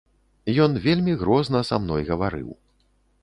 Ён вельмі грозна са мной гаварыў.